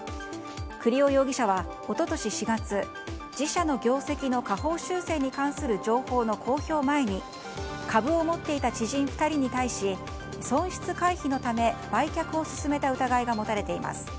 栗尾容疑者は一昨年４月自社の業績の下方修正に関する情報の公表前に株を持っていた知人２人に対し損失回避のため売却を勧めた疑いが持たれています。